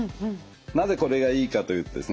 なぜこれがいいかというとですね